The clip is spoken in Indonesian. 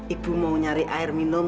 ibu mau nyari air minum